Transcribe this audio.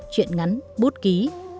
chuyện ngắn bút ký